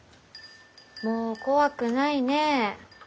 もう怖くないね。